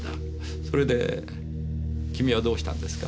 それで君はどうしたんですか？